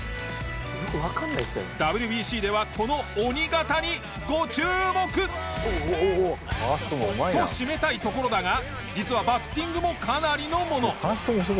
ＷＢＣではこの鬼肩にご注目！と締めたいところだが実はバッティングもかなりのもの。